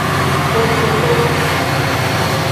ojoko